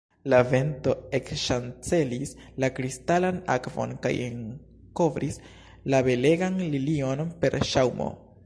La vento ekŝancelis la kristalan akvon kaj enkovris la belegan lilion per ŝaŭmo.